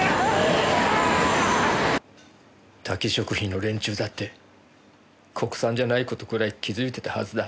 タキ食品の連中だって国産じゃない事くらい気づいてたはずだ。